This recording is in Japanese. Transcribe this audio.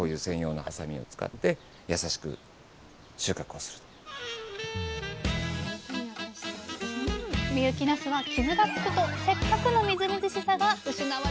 なすは傷が付くとせっかくのみずみずしさが失われてしまいます。